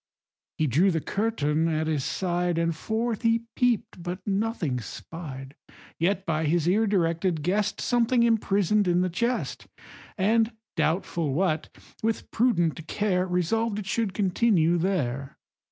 He drew the curtain at his side, And forth he peep'd, but nothing spied. Yet, by his ear directed, guess'd Something imprison'd in the chest, And, doubtful what, with prudent care Resolved it should continue there.